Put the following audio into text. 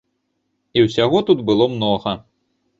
І ўсяго тут было многа.